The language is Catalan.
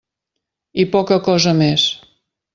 I poca cosa més.